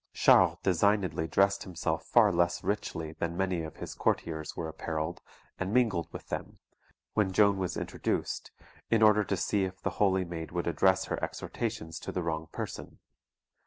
Charles designedly dressed himself far less richly than many of his courtiers were apparelled, and mingled with them, when Jean was introduced, in order to see if the Holy Maid would address her exhortations to the wrong person.